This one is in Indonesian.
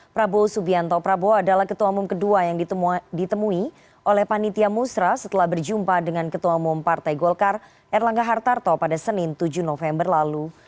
prabowo subianto prabowo adalah ketua umum kedua yang ditemui oleh panitia musrah setelah berjumpa dengan ketua umum partai golkar erlangga hartarto pada senin tujuh november lalu